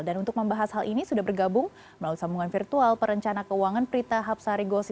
dan untuk membahas hal ini sudah bergabung melalui sambungan virtual perencana keuangan prita hapsari gosi